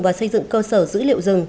và xây dựng cơ sở dữ liệu rừng